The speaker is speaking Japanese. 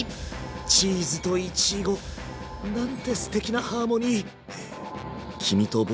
チーズといちごなんてすてきなハーモニー。